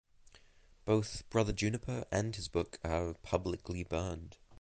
Both Brother Juniper and his book are publicly burned.